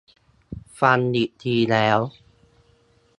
ฟังอีกทีแล้ว